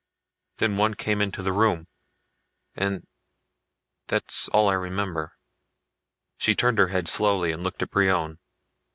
Then one came into the room and that's all I remember." She turned her head slowly and looked at Brion.